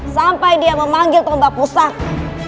sampai dia memanggil tombak musang